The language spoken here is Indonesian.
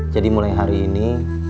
jadi mulai hari ini